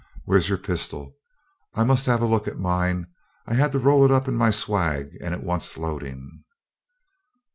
Where's your pistol? I must have a look at mine. I had to roll it up in my swag, and it wants loading.'